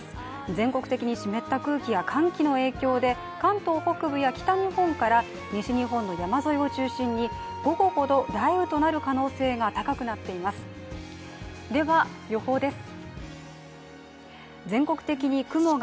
全国的に湿った空気や寒気の影響で関東北部や北日本から西日本の山沿いを中心に午後ほど雷雨となる可能性が高くなっていますでは予報です。